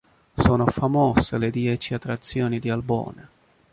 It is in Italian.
Sono famose le “Dieci Attrazioni di Albona”.